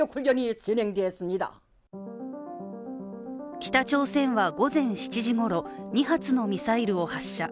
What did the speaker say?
北朝鮮は午前７時ごろ、２発のミサイルを発射。